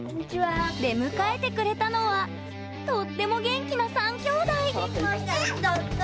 出迎えてくれたのはとっても元気な３きょうだい！